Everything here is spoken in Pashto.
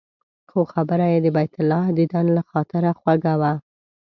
خو خبره یې د بیت الله دیدن له خاطره خوږه وه.